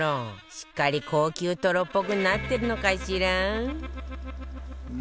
しっかり高級トロっぽくなってるのかしら？